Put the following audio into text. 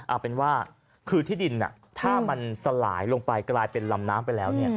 เอาเป็นว่าคือที่ดินถ้ามันสลายลงไปกลายเป็นลำน้ำไปแล้ว